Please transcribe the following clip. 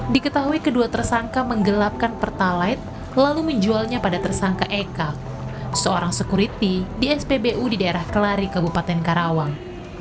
diketahui kedua tersangka menggelapkan pertalite lalu menjualnya pada tersangka eka seorang sekuriti di spbu di daerah kelari kabupaten karawang